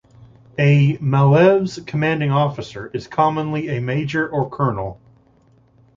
A "malev"'s commanding officer is commonly a major or colonel.